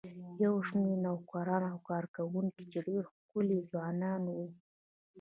یو شمېر نوکران او کارکوونکي چې ډېر ښکلي ځوانان وو.